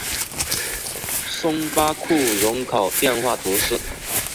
松巴库人口变化图示